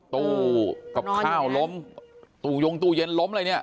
ตู้กับข้าวล้มตู้ยงตู้เย็นล้มอะไรเนี่ย